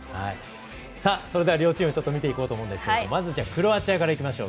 それでは両チーム見ていこうと思いますがまずクロアチアからいきましょう。